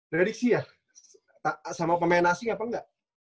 prediksi ya sama pemain asing apa enggak